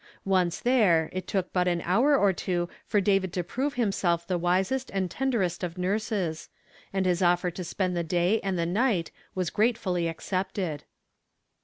Once there, it took but an hour or two for David to prove himself the wisest and tenderest of nui ses, and his offer to spend the day and the night was gratefully accepted.